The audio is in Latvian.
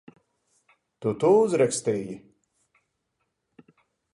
Tu to uzrakstīji?